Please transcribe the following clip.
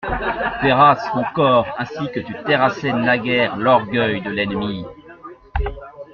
Terrasse mon corps ainsi que tu terrassais naguère l'orgueil de l'ennemi.